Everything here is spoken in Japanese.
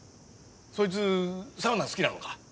ソイツサウナ好きなのか？